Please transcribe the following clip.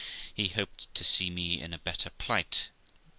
He hoped to see me in a better plight.